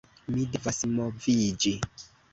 Mi devas moviĝi